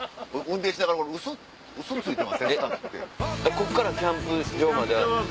ここからキャンプ場までは？